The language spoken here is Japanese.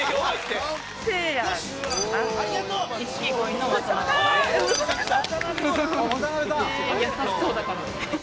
優しそうだから。